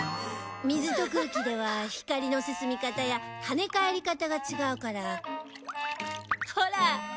水と空気では光の進み方や跳ね返り方が違うからほら！